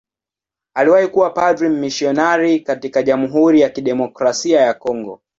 Aliwahi kuwa padri mmisionari katika Jamhuri ya Kidemokrasia ya Kongo.